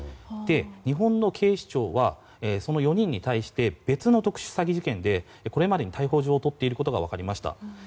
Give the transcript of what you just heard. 日本の警視庁はその４人に対して別の特殊詐欺事件でこれまでに逮捕状を取っていることが分かりました。